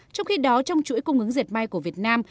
trong khi đó trong chuỗi cung ứng diệt may của việt nam